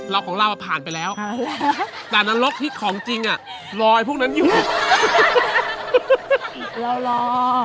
เราของเราผ่านไปแล้วแต่นั้นลกที่ของจริงอ่ะรอไอ้พวกนั้นอยู่ฮ่าฮ่าฮ่าฮ่าฮ่าฮ่าฮ่าฮ่า